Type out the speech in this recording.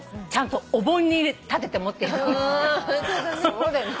そうだね。